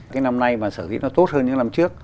cái năm nay mà sở hữu nó tốt hơn những năm trước